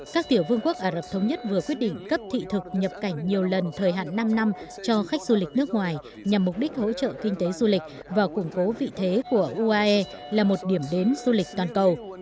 các tiểu vương quốc ả rập thống nhất vừa quyết định cấp thị thực nhập cảnh nhiều lần thời hạn năm năm cho khách du lịch nước ngoài nhằm mục đích hỗ trợ kinh tế du lịch và củng cố vị thế của uae là một điểm đến du lịch toàn cầu